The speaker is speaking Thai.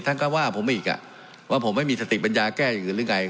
ท่านก็ว่าผมอีกว่าผมไม่มีสติปัญญาแก้อย่างอื่นหรือไง